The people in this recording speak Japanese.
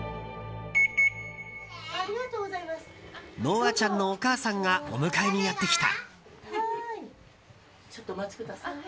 のあちゃんのお母さんがお迎えにやってきた。